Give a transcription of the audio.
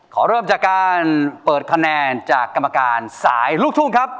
ขอเริ่มจากการเปิดคะแนนจากกำจักรศาสตร์ลูกทุ่งครับ